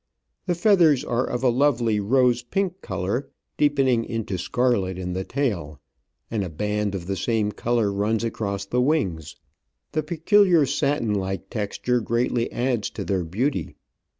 The feathers are of a lovely rose pink colour, deepening into scarlet in the tail, and a band of the same colour runs across the wings. The peculiar satin like texture greatly adds to their beauty.